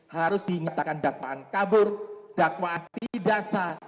harus diingatkan dakwaan kabur dakwaan tidak sah